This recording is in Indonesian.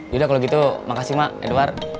yaudah kalau gitu makasih mak edward